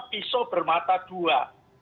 pisau bermata dua